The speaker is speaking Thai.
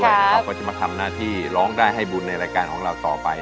เราก็จะมาทำหน้าที่ร้องได้ให้บุญในรายการของเราต่อไป